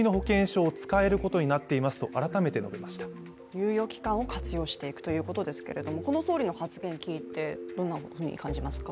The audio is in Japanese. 猶予期間を活用していくということですけれどもこの総理の発言を聞いて、どんなふうに感じますか？